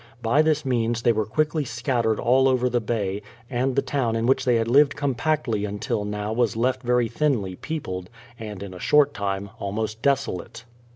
By this means they were quickly scattered all over the Bay, and the town in which they had lived com pactly until now was left ver}^ thinly peopled, and in a short time almost desolate.